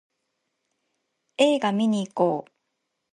映画見にいこう